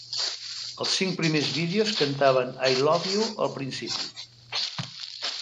Als cinc primers vídeos, cantaven "I Love You" al principi.